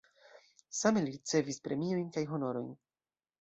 Same li ricevis premiojn kaj honorojn.